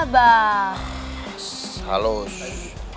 ada lah itu bukan apa